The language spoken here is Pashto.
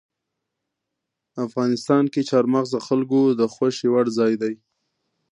افغانستان کې چار مغز د خلکو د خوښې وړ ځای دی.